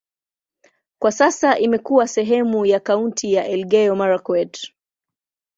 Kwa sasa imekuwa sehemu ya kaunti ya Elgeyo-Marakwet.